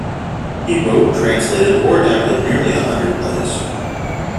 He wrote, translated or adapted nearly a hundred plays.